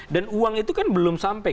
dan uang itu kan belum sampai